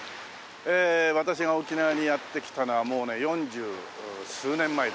え私が沖縄にやって来たのはもうね四十数年前で。